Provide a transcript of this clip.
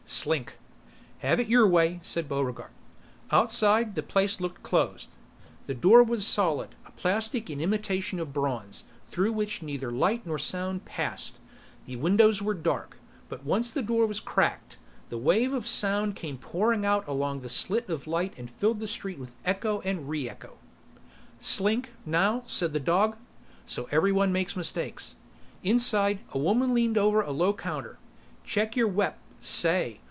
"Slink." "Have it your way," said Buregarde. Outside, the place looked closed. The door was solid, a plastic in imitation of bronze through which neither light nor sound passed. The windows were dark. But once the door was cracked, the wave of sound came pouring out along the slit of light and filled the street with echo and re echo. "Slink, now," said the dog. "So everybody makes mistakes." Inside, a woman leaned over a low counter. "Check your weap ... say!